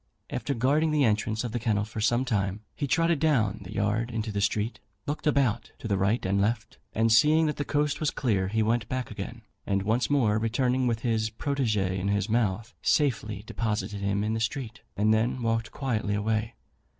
After guarding the entrance of the kennel for some time, he trotted down the yard into the street, looked about to the right and left, and seeing that the coast was clear, he went back again, and once more returning with his protégé in his mouth, safely deposited him in the street, and then walked quietly away.